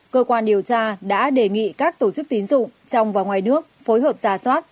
cơ quan điều tra đã đề nghị các tổ chức tín dụng trong và ngoài nước phối hợp giả soát